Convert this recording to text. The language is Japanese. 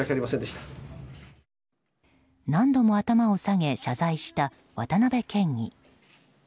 何度も頭を下げ謝罪した渡辺県議。